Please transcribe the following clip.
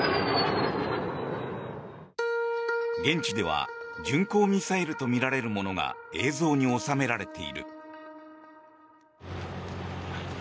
現地では巡航ミサイルとみられるものが映像に収められている。